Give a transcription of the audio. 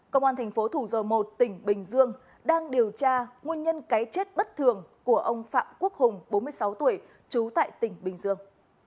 công an thành phố thủ dầu một tỉnh bình dương đang điều tra nguyên nhân cái chết bất thường của ông phạm quốc hùng bốn mươi sáu tuổi trú tại tỉnh bình dương